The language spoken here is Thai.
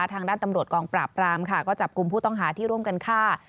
ทางด้านตำรวจกองปราบปรามค่ะก็จับกลุ่มผู้ต้องหาที่ร่วมกันฆ่า